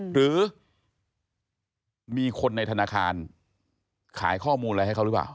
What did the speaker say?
หรือมีคนในธนาคารขายข้อมูลอะไรให้เขาหรือเปล่า